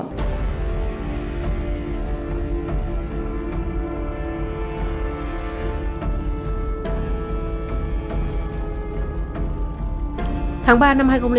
tháng ba năm hai nghìn hai